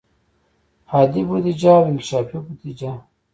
عادي بودیجه او انکشافي بودیجه.